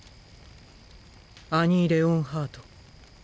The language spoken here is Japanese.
アニ・レオンハート。